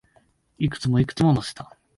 いくつも、いくつも乗せた